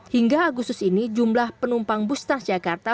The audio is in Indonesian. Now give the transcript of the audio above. hingga agustus ini jumlah penumpang bus transjakarta